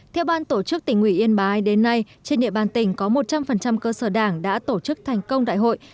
theo ban tổ chức tỉnh ủy yên bái đến nay trên địa bàn tỉnh có một trăm linh cơ sở đảng đã tổ chức thành công đại hội